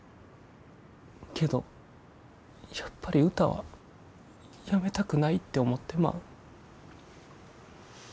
けどやっぱり歌はやめたくないって思ってまう。